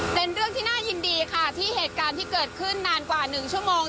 เป็นเรื่องที่น่ายินดีค่ะที่เหตุการณ์ที่เกิดขึ้นนานกว่า๑ชั่วโมง